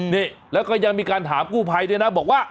นี่แล้วก็ยังมีการถามกู้ภัยด้วยนะบอกว่า